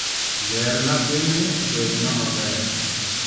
Ger nathini obed ng'ama ber.